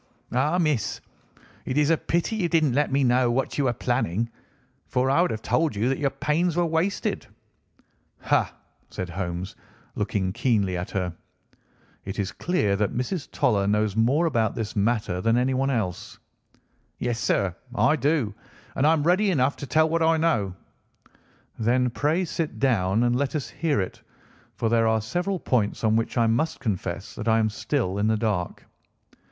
Ah, miss, it is a pity you didn't let me know what you were planning, for I would have told you that your pains were wasted." "Ha!" said Holmes, looking keenly at her. "It is clear that Mrs. Toller knows more about this matter than anyone else." "Yes, sir, I do, and I am ready enough to tell what I know." "Then, pray, sit down, and let us hear it for there are several points on which I must confess that I am still in the dark."